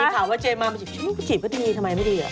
มีข่าวว่าเจมส์มาจีบตั้งก็จีบก็ดีทำไมไม่ดี